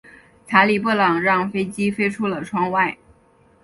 查理布朗让飞机飞出了窗外。